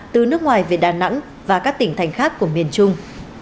từ nước ngoài về đà nẵng và các tỉnh thành khác của miền trung